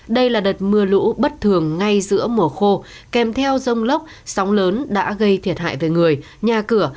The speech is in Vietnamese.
đây là đợt mưa lũ bất thường ngay giữa mùa khô kèm theo rông lốc sóng lớn đã gây thiệt hại về người nhà cửa